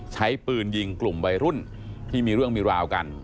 ใช้ปืนยิงกลุ่มวัยรุ่นที่มีเรื่องมีราวกัน